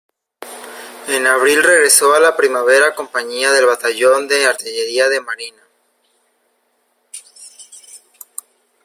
En abril regresó a la Primera Compañía del Batallón de Artillería de Marina.